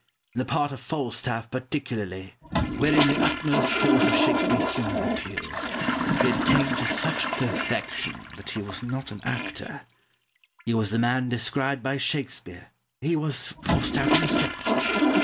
In the part of Falstaff particularly, wherein the utmost force of Shakespeare's humour appears, he attained to such perfection that he was not an actor; he was the man described by Shakespeare; he was Falstaff himself!